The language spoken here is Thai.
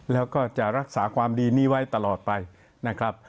แล้วก็จะรักษาความดีนี้ไว้ตลอดไปนะครับ